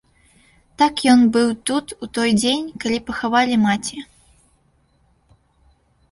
Так ён быў тут у той дзень, калі пахавалі маці.